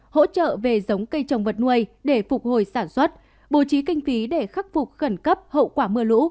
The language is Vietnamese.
hỗ trợ về giống cây trồng vật nuôi để phục hồi sản xuất bố trí kinh phí để khắc phục khẩn cấp hậu quả mưa lũ